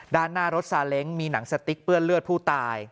ด้านหน้ารถซาเล้งมีหนังสติ๊กเปื้อนเลือดผู้ตาย